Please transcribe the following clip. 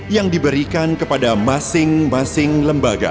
yang diberikan kepada masing masing lembaga